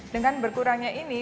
dengan berkurangnya ini